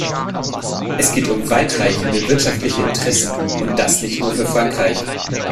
Es geht um weit reichende wirtschaftliche Interessen, und das nicht nur für Frankreich.